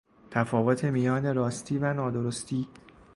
تفاوت میان راستی و نادرستی